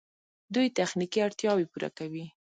دوی تخنیکي اړتیاوې پوره کوي.